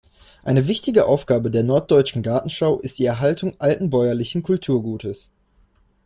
Eine wichtige Aufgabe der Norddeutschen Gartenschau ist die Erhaltung alten bäuerlichen Kulturgutes.